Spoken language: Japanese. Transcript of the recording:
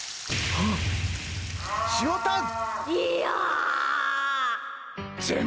塩タン！